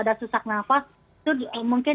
ada sesak nafas itu mungkin